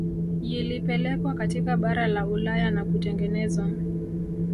Yilipelekwa katika bara la Ulaya na kutengenezwa